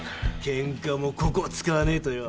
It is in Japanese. ケンカもここ使わねえとよ。